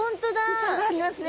水槽がありますね。